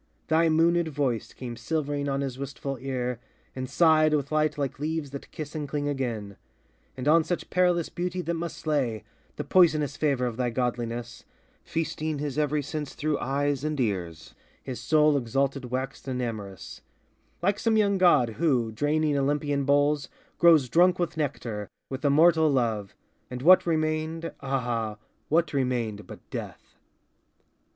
Thy moonéd voice Came silvering on his wistful ear, and sighed With light like leaves that kiss and cling again. And on such perilous beauty that must slay, The poisonous favor of thy godliness, Feasting his every sense through eyes and ears, His soul exalted waxed and amorous, Like some young god who, draining Olympian bowls, Grows drunk with nectar, with immortal love; And what remained, ah, what remained but death!